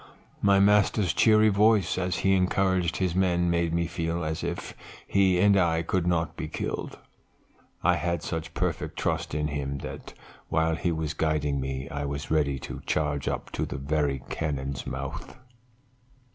My master's cheery voice, as he encouraged his men, made me feel as if he and I could not be killed. I had such perfect trust in him that while he was guiding me I was ready to charge up to the very cannon's mouth.